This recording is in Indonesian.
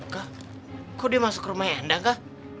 kak kok dia masuk ke rumah anda kak